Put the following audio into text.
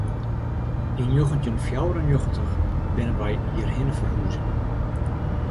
Yn njoggentjin fjouwer en njoggentich binne we hjirhinne ferhûze.